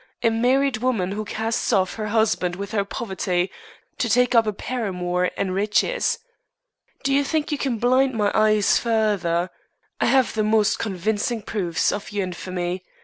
A married woman who casts off her husband with her poverty, to take up a paramour and riches! Do you think you can blind my eyes further? I have the most convincing proofs of your infamy.